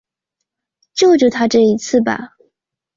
救救他这一次吧